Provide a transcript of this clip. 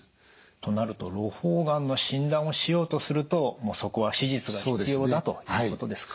となるとろ胞がんの診断をしようとするとそこは手術が必要だということですか？